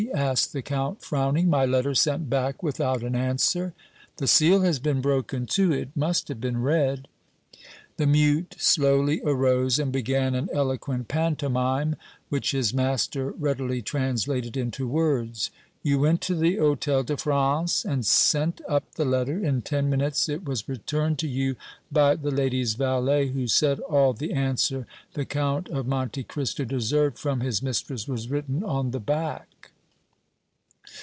asked the Count, frowning. "My letter sent back without an answer. The seal has been broken, too. It must have been read." The mute slowly arose and began an eloquent pantomime which his master readily translated into words: "You went to the Hôtel de France and sent up the letter. In ten minutes it was returned to you by the lady's valet, who said all the answer the Count of Monte Cristo deserved from his mistress was written on the back."